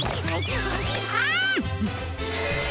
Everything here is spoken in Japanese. あっ！